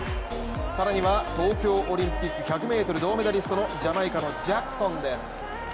更には、東京オリンピック１００ｍ銅メダリストのジャマイカのジャクソンです。